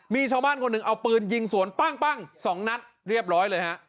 มีชาวบ้านคนหนึ่งเอาปืนยิงสวนปั้งสองนัดเรียบร้อยเลยฮะ